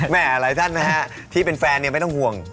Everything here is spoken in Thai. หลายท่านนะฮะที่เป็นแฟนไม่ต้องห่วง